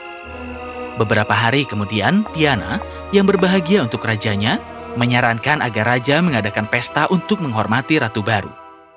ketika mereka berdua menangis mereka mencari tiana yang berbahagia untuk rajanya menyarankan agar raja mengadakan pesta untuk menghormati ratu baru